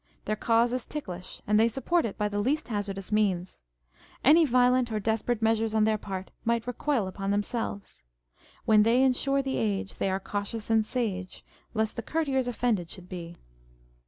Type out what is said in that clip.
Their cause is ticklish, and they support it by the least hazardous means. Any violent or desperate measures on their part might recoil upon themselves. "When thev eensure the age, * CD * They are cautious and sage, Lest the courtiers offended should be.